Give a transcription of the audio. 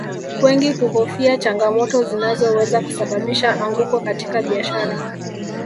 Wengi huhofia changamoto zinazoweza kusababisha anguko katika biashara